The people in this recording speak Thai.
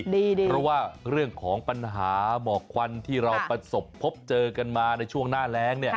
เพราะว่าเรื่องของปัญหาหมอกควันที่เราประสบพบเจอกันมาในช่วงหน้าแรง